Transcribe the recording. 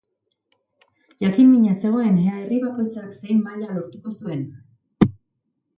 Jakin-mina zegoen ea herri bakoitzak zein maila lortuko zuen.